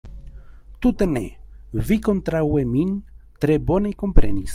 Tute ne: vi kontraŭe min tre bone komprenis.